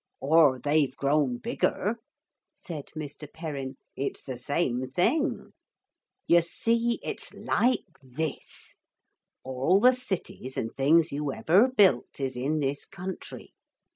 'Or they've grown bigger,' said Mr. Perrin; 'it's the same thing. You see it's like this. All the cities and things you ever built is in this country.